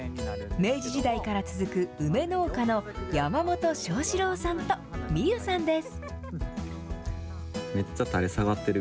明治時代から続く梅農家の山本将志郎さんと実夢さんです。